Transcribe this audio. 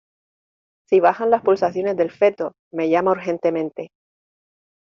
si bajan las pulsaciones del feto, me llama urgentemente.